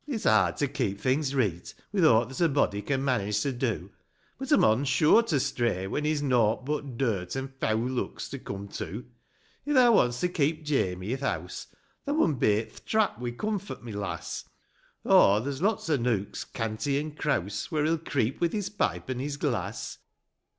It's hard to keep things reet with aught That a body can manage to do ; But, a mon's sure to stray when he's nought But dirt an' feaw looks to come to : If thou wants to keep Jamie i'th house, Thou mun bait th' trap wi' comfort, my lass ; Or, there's lots o' nooks, canty an' crouse, Where he'll creep with his pipe an' his glass.